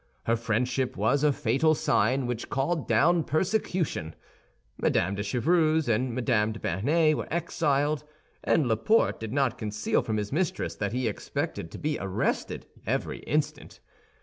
Her friendship was a fatal sign which called down persecution. Mme. de Chevreuse and Mme. de Bernet were exiled, and Laporte did not conceal from his mistress that he expected to be arrested every instant.